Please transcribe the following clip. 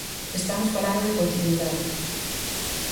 Estamos falando de continuidade.